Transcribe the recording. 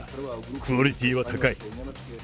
クオリティーは高い。